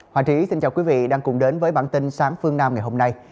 hoàng trí xin chào quý vị đang cùng đến với bản tin sáng phương nam ngày hôm nay